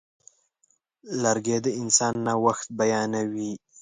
لرګی د انسان نوښت بیانوي.